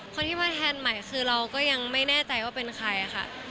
คนที่มาแทนใหม่คือเราก็ยังไม่แน่ใจว่าเป็นใครค่ะ